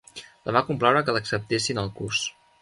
La va complaure que l'acceptessin al curs.